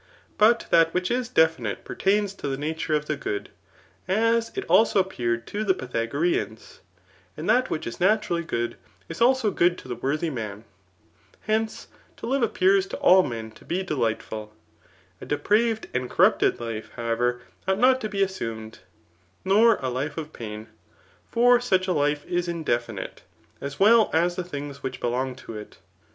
3ut that which is de&iite pertaim to the Digitized by Google CRAT»TX* ETHICS,' S57 nature <^ die good, [as it ako appeared to the Pythago^ reans ;3 ^^^^ which is naturally good, is also good to the worthy man. Hence to live appears to all men to be d^ghtfiiL A depraved and corrupted life, however, might not to be assumed, nor a life of pain ; for such a fSTe is indefinite, as well as the things which belong to it.